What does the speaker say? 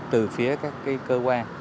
từ phía các cái cơ quan